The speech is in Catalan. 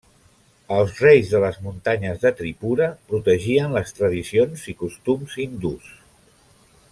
Els reis de les Muntanyes de Tripura protegien les tradicions i costums hindús.